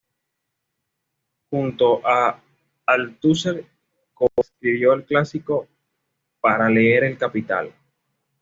Junto a Althusser, coescribió el clásico "Para leer El Capital".